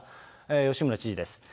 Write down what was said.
吉村知事です。